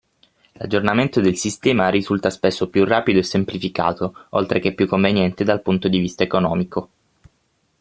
L'aggiornamento del sistema risulta spesso più rapido e semplificato, oltre che più conveniente dal punto di vista economico.